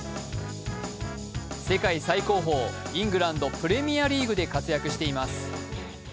世界最高峰、イングランド・プレミアリーグで活躍しています。